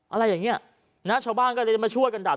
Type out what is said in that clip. อะไรอย่างเงี้ยนะชาวบ้านก็เลยจะมาช่วยกันดับ